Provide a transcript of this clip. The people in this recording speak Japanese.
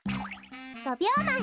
５びょうまえ。